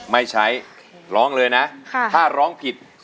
ไม่ใช้นะครับ